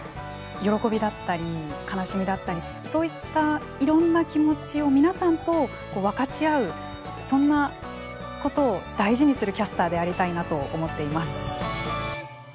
喜びだったり悲しみだったりそういったいろんな気持ちを皆さんと分かち合うそんなことを大事にするキャスターでありたいなと思っています。